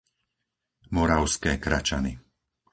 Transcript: Moravské Kračany